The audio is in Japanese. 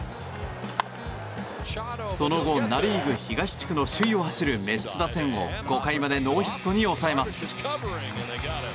その後、ナ・リーグ東地区の首位を走るメッツ打線を５回までノーヒットに抑えます。